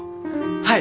はい。